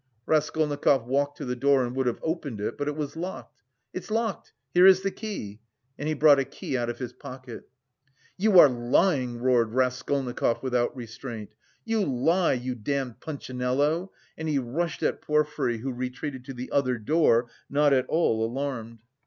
Raskolnikov walked to the door and would have opened it, but it was locked. "It's locked, here is the key!" And he brought a key out of his pocket. "You are lying," roared Raskolnikov without restraint, "you lie, you damned punchinello!" and he rushed at Porfiry who retreated to the other door, not at all alarmed.